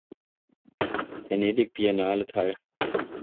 Venedig Biennale teil.